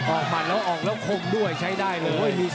ออกหมั่นลูกออกแล้วข่มด้วยใช้ได้เลย